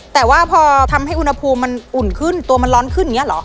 แต่ว่าพอทำให้อุณหภูมิมันอุ่นขึ้นตัวมันร้อนขึ้นอย่างนี้เหรอ